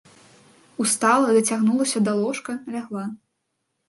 Устала, дацягнулася да ложка, лягла.